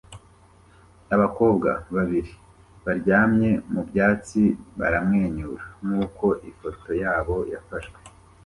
Abakobwa babiri baryamye mu byatsi baramwenyura nkuko ifoto yabo yafashwe